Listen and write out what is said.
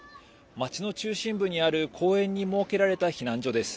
街の中心部にある公園に設けられた避難所です。